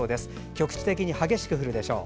局地的に激しく降るでしょう。